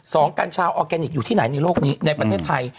กัญชาออร์แกนิคอยู่ที่ไหนในโลกนี้ในประเทศไทย